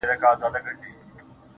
او د ځمکې علم